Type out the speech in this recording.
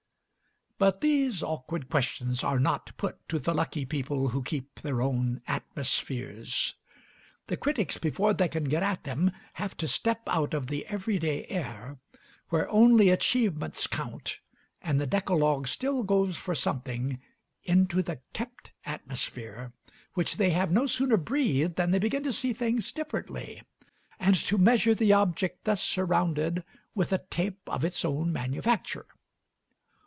But these awkward questions are not put to the lucky people who keep their own atmospheres. The critics, before they can get at them, have to step out of the every day air, where only achievements count and the Decalogue still goes for something, into the kept atmosphere, which they have no sooner breathed than they begin to see things differently, and to measure the object thus surrounded with a tape of its own manufacture.